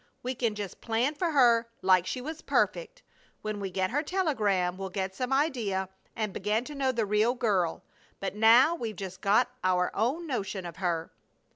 We can just plan for her like she was perfect. When we get her telegram we'll get some idea, and begin to know the real girl, but now we've just got our own notion of her."